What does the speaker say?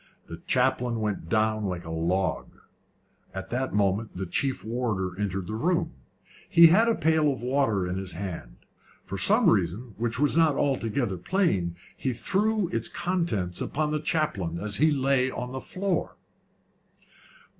The chaplain went down like a log. At that moment the chief warder entered the room. He had a pail of water in his hand. For some reason, which was not altogether plain, he threw its contents upon the chaplain as he lay upon the floor.